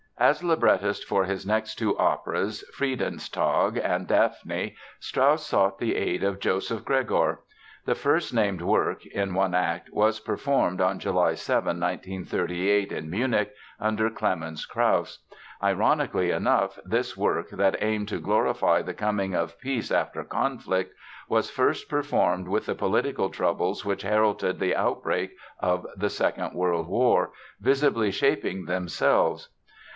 As librettist for his next two operas, Friedenstag and Daphne, Strauss sought the aid of Joseph Gregor. The first named work (in one act) was performed on July 7, 1938, in Munich, under Clemens Krauss. Ironically enough this work that aimed to glorify the coming of peace after conflict, was first performed with the political troubles which heralded the outbreak of the Second World War, visibly shaping themselves.